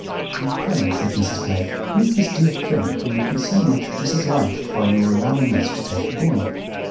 "'And pray,' said Mrs. Blake, 'who is this dear Friend who would be so much disobliged by your allowing us to take the boy?'